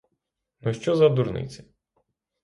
Ну, що за дурниці!